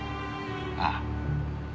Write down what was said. ああ。